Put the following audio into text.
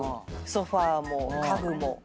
ソファも家具も。